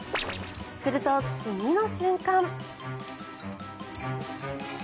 すると、次の瞬間。